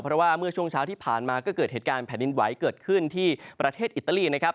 เพราะว่าเมื่อช่วงเช้าที่ผ่านมาก็เกิดเหตุการณ์แผ่นดินไหวเกิดขึ้นที่ประเทศอิตาลีนะครับ